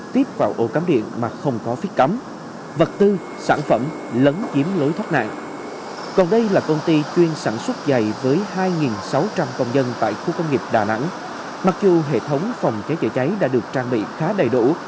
tại khu công nghiệp đà nẵng mặc dù hệ thống phòng cháy chữa cháy đã được trang bị khá đầy đủ